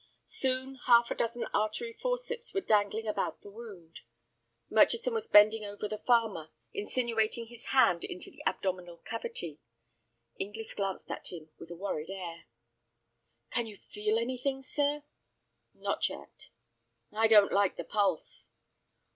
Soon half a dozen artery forceps were dangling about the wound. Murchison was bending over the farmer, insinuating his hand into the abdominal cavity. Inglis glanced at him with a worried air. "Can you feel anything, sir?" "Not yet." "I don't like the pulse."